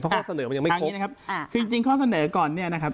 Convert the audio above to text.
เพราะข้อเสนอมันยังไม่ครบคือจริงจริงข้อเสนอก่อนเนี่ยนะครับ